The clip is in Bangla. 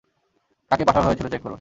কাকে পাঠানো হয়েছিল চেক করুন।